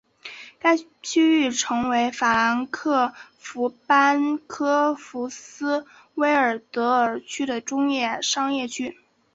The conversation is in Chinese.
该区域成为法兰克福班荷福斯威尔德尔区的中心商业区。